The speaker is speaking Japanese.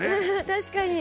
確かに。